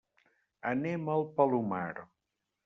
Anem al Palomar.